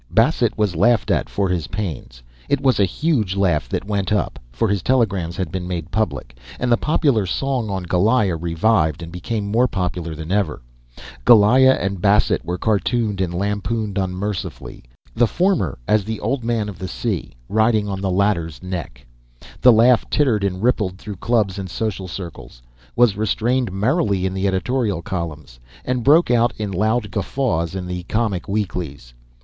Bassett was laughed at for his pains. It was a huge laugh that went up (for his telegrams had been made public), and the popular song on Goliah revived and became more popular than ever. Goliah and Bassett were cartooned and lampooned unmercifully, the former, as the Old Man of the Sea, riding on the latter's neck. The laugh tittered and rippled through clubs and social circles, was restrainedly merry in the editorial columns, and broke out in loud guffaws in the comic weeklies.